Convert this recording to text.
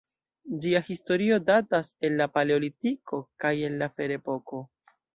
Ĝia historio datas el la Paleolitiko kaj el la Ferepoko.